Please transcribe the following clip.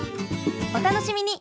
お楽しみに！